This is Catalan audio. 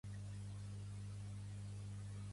Apunta que m'he de prendre la Couldina en sis hores.